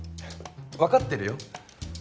わかってるよ。